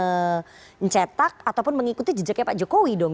mencetak ataupun mengikuti jejaknya pak jokowi dong